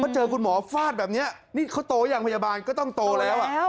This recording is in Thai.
เจอคุณหมอฟาดแบบนี้นี่เขาโตยังพยาบาลก็ต้องโตแล้ว